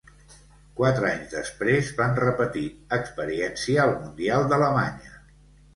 Quatre anys després, van repetir experiència al Mundial d'Alemanya.